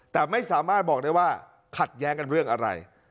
แต่ไม่สามารถบอกได้ว่าขัดแย้งกันเรื่องอะไร